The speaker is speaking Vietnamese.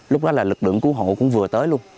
lúc đó là lực lượng cứu hộ cũng vừa tới luôn